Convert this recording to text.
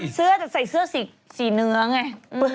เสื้อจะใส่เสื้อสีเนื้อไง